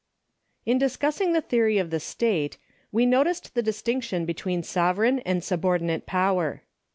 In discussing the theory of the state, we noticed the distinction between sovereign and subordinate power.